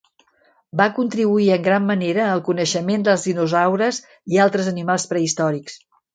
Va contribuir en gran manera al coneixement dels dinosaures i altres animals prehistòrics.